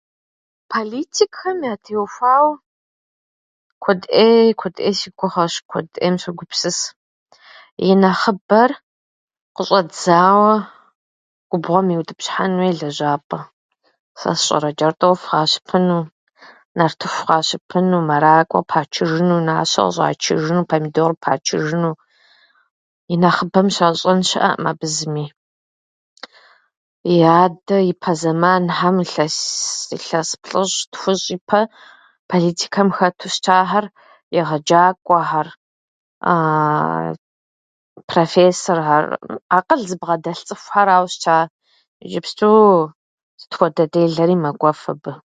Политикхэм ятеухуауэ куэд ӏей, куэд ӏей си гугъэщ, куэдӏейм согупсыс. И нэхъыбэр къыщӏэдзауэ губгъуэм иутӏыпщхьэн хуей лэжьапӏэ, сэ сщӏэрэ, чӏэртӏоф къащыпыну, нартыху къащыпыну, маракӏуэ пачыжыну, нащэ къыщӏачыжыну, помидор къыпачыжыну. И нэхъыбэм щащӏэн щыӏэкъым абы зыми. Адэ ипэ зэманхьэм илъэс- илъэс плӏыщӏ-тхущӏ ипэ политикэм хэту щытахьэр егъэджакӏуэхьэр, профессорхьэр, акъыл зыбгъэдэлъ цӏыхухьэрауэ щыта. Иджыпсту сытхуэдэ делэри мэкӏуэф абы.